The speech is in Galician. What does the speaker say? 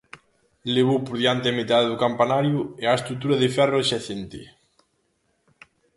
Levou por diante a metade do campanario e a estrutura de ferro adxacente.